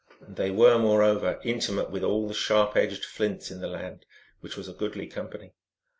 And they were, moreover, intimate with all the sharp edged Flints in the land, which was a goodly company.